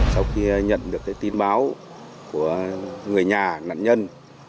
sau khi nhận được tin báo của người nhà nạn nhân